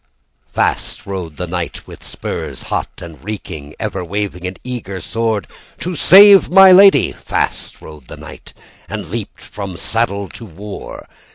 Fast rode the knight With spurs, hot and reeking, Ever waving an eager sword, "To save my lady!" Fast rode the knight, And leaped from saddle to war.